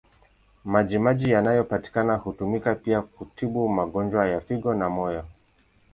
Maji maji yanayopatikana hutumika pia kutibu magonjwa ya figo na moyo.